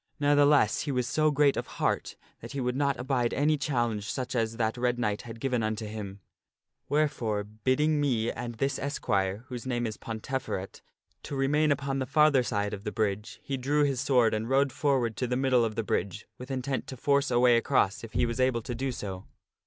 Ne'theless, he was so great of heart that he would not abide any challenge such as that Red Knight had given unto him ; where fore, bidding me and this esquire (whose name is Pontefe^et) to remain upon the farther side of the bridge, he drew his sword and rode forward to the middle of the bridge with intent to force a way across if he was able so to do.